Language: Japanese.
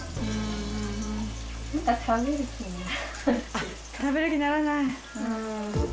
あっ食べる気にならない。